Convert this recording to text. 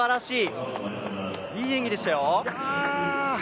いい演技でしたよ。